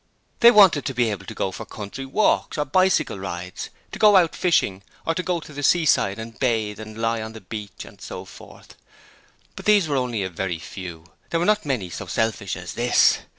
They wanted to be able to go for country walks or bicycle rides, to go out fishing or to go to the seaside and bathe and lie on the beach and so forth. But these were only a very few; there were not many so selfish as this.